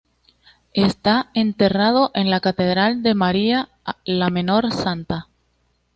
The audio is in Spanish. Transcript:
Está enterrado en la Catedral de María la Menor Santa.